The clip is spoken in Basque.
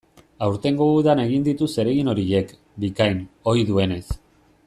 Aurtengo udan egin ditu zeregin horiek, bikain, ohi duenez.